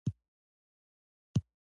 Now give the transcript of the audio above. د زده کړې موخه یوازې لیک نه وه.